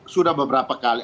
sudah beberapa kali